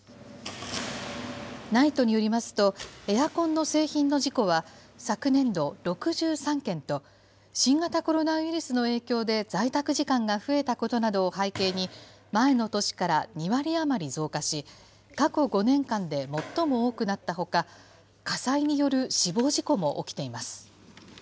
ＮＩＴＥによりますと、エアコンの製品の事故は、昨年度６３件と、新型コロナウイルスの影響で在宅時間が増えたことなどを背景に、前の年から２割余り増加し、過去５年間で最も多くなったほか、火災による死亡事故も起きています。